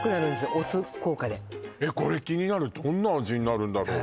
お酢効果でこれ気になるどんな味になるんだろう？